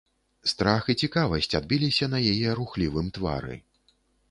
Страх і цікавасць адбіліся на яе рухлівым твары.